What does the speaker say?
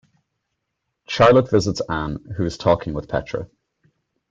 Charlotte visits Anne, who is talking with Petra.